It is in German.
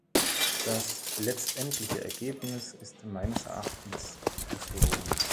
Das letztendliche Ergebnis ist meines Erachtens ausgewogen.